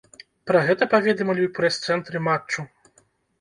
Пра гэта паведамілі ў прэс-цэнтры матчу.